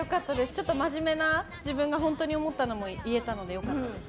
ちょっと真面目な自分が本当に思ったのも言えたので良かったです。